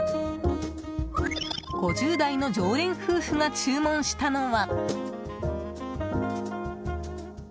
５０代の常連夫婦が注文したのは。